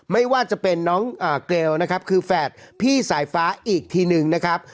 ไม่ว่าจะเป็นน้องเกลนะครับคือแฝดพี่สายฟ้าอีกทีหนึ่งนะครับ